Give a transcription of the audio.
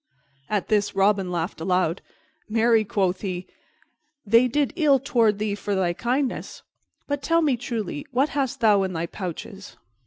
At this Robin laughed aloud. "Marry," quoth he, "they did ill toward thee for thy kindness. But tell me truly, what hast thou in thy pouches?"